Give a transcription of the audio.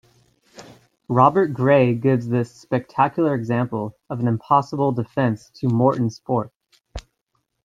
Robert Gray gives this spectacular example of an impossible defense to Morton's Fork.